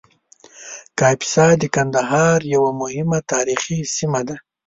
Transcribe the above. کاپیسا د ګندهارا یوه مهمه تاریخي سیمه وه